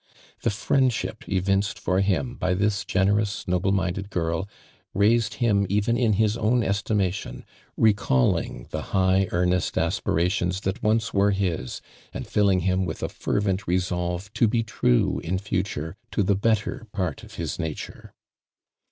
The friendship evinced I for him by this generous, noble minded girl^ 70 ARMAND DURAND. raised him even in his own estimation, recalling the high, earnest aspirations that once were his, and filling him with a fervent resolve to be true in future to the better part of his nature.